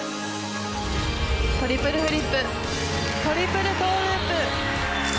トリプルフリップトリプルトウループ。